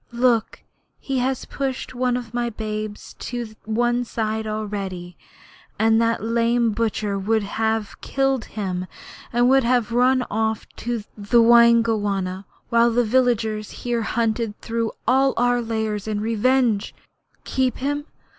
Look, he has pushed one of my babes to one side already. And that lame butcher would have killed him and would have run off to the Waingunga while the villagers here hunted through all our lairs in revenge! Keep him?